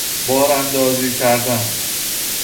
باراندازی کردن